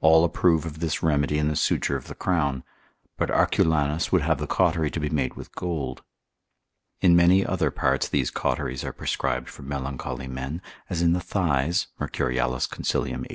All approve of this remedy in the suture of the crown; but Arculanus would have the cautery to be made with gold. In many other parts, these cauteries are prescribed for melancholy men, as in the thighs, (Mercurialis consil. 86.)